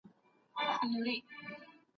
په ارام ذهن کار کول ښه پایله ورکوي.